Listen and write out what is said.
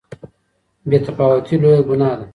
بې تفاوتي لويه ګناه ده.